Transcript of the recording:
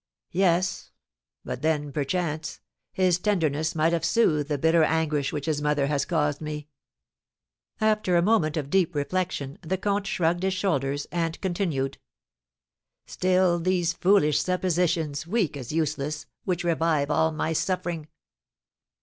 Yes; but then, perchance, his tenderness might have soothed the bitter anguish which his mother has caused me!" After a moment of deep reflection the comte shrugged his shoulders and continued: "Still these foolish suppositions, weak as useless, which revive all my suffering!